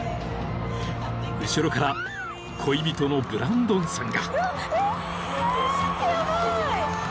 ［後ろから恋人のブランドンさんが］